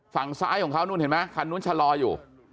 ฝั่งซ้ายของเขานู่นเห็นไหมคันนู้นชะลออยู่